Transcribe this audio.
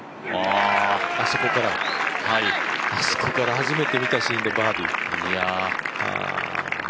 あそこから初めて見たシーンでバーディー。